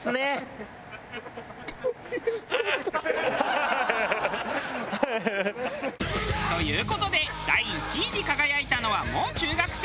ハハハハ！という事で第１位に輝いたのはもう中学生。